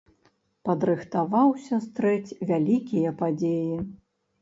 Падрыхтаваўся стрэць вялікія падзеі.